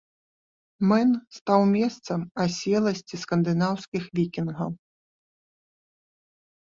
Мэн стаў месцам аселасці скандынаўскіх вікінгаў.